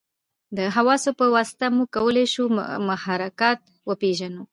د حواسو په واسطه موږ کولای شو محرکات وپېژنو.